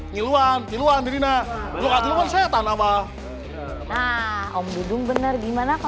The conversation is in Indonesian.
ngiluan ngiluan dirinya setan abah om dudung bener gimana